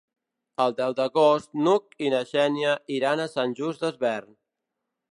El deu d'agost n'Hug i na Xènia iran a Sant Just Desvern.